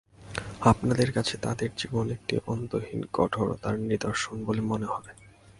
আপনাদের কাছে তাঁদের জীবন একটি অন্তহীন কঠোরতার নিদর্শন বলে মনে হবে।